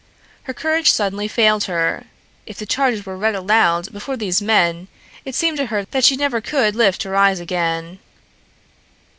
Her courage suddenly failed her. If the charges were read aloud before these men it seemed to her that she never could lift her eyes again.